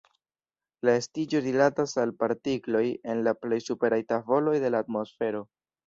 La estiĝo rilatas al partikloj en la plej superaj tavoloj de la atmosfero.